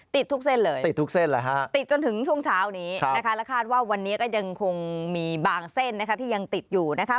ติดทุกเส้นเลยติดจนถึงช่วงเช้านี้นะคะและคาดว่าวันนี้ก็ยังคงมีบางเส้นที่ยังติดอยู่นะคะ